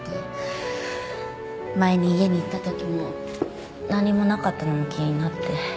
前に家に行った時も何もなかったのも気になって。